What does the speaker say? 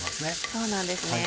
そうなんですね。